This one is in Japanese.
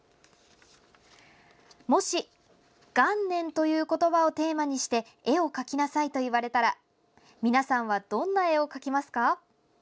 もし「元年」という言葉をテーマにして絵を描きなさいと言われたら皆さんはどんな絵を描きますか？